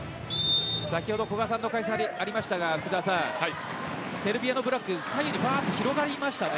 先ほど古賀さんの解説にありましたがセルビアのブロック左右に広がりましたよね。